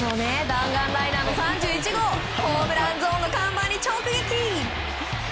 弾丸ライナーの３１号ホームランゾーンの看板に直撃。